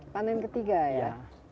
panen ketiga ya